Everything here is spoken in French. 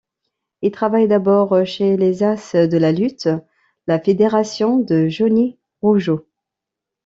Il travaille d'abord chez Les As de la Lutte, la fédération de Johnny Rougeau.